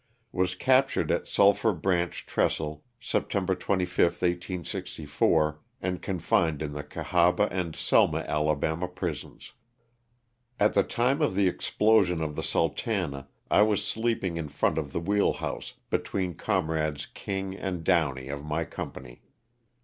Was captured at Sulphur Branch Trestle, September 25, 1864, and confined in the Cahaba and Selma, Ala., prisons. At the time of the explosion of the "Sultana" I was sleeping in front of the wheel house, between Comrades King and Downey of my company.